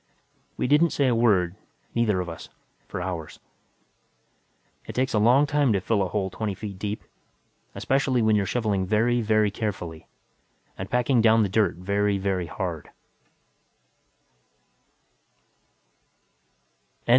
We didn't say a word, neither of us, for hours. It takes a long time to fill a hole twenty feet deep especially when you're shoveling very, very carefully and packing down the dirt very, very hard.